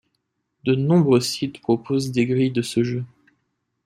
De nombreux sites proposent des grilles de ce jeu.